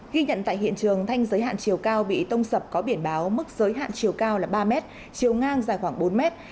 ghi nhận tại hiện trường thanh giới hạn chiều cao bị tông sập có biển báo mức giới hạn chiều cao là ba mét chiều ngang dài khoảng bốn mét